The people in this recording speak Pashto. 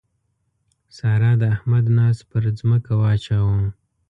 سارا د احمد ناز پر ځمکه واچاوو.